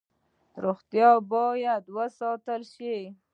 روغتیا باید وساتل شي